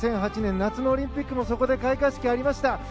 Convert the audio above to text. ２００８年、夏のオリンピックもそこで開会式をやりました。